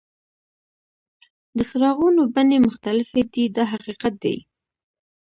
د څراغونو بڼې مختلفې دي دا حقیقت دی.